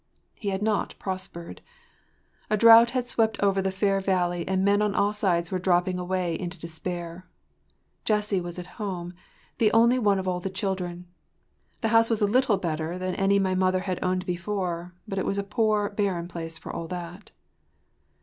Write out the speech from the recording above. He had not prospered. A drought had swept over the fair valley and men on all sides were dropping away into despair. Jessie was at home—the only one of all the children. The house was a little better than any my mother had owned before, but it was a poor, barren place for all that.